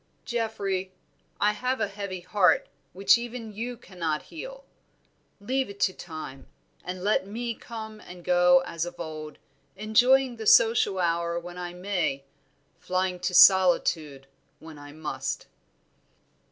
"Geoffrey, I have a heavy heart which even you cannot heal. Leave it to time, and let me come and go as of old, enjoying the social hour when I may, flying to solitude when I must."